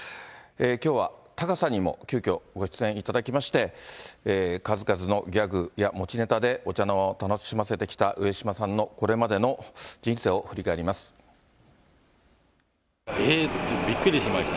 きょうはタカさんにも、急きょ、ご出演いただきまして、数々のギャグや持ちネタでお茶の間を楽しませてきた上島さんのこれまでの人生を振り返ります。